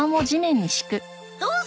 どうぞ。